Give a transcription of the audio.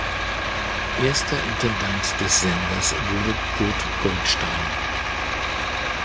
Erster Intendant des Senders wurde Kurt Goldstein.